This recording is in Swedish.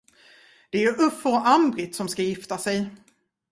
Det är Uffe och Anne-Britt som ska gifta sig.